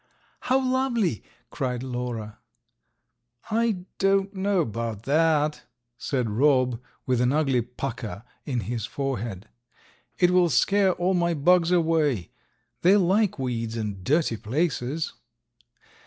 "How lovely!" cried Lora. "I don't know about that," said Rob, with an ugly pucker in his forehead. "It will scare all my bugs away. They like weeds and dirty places."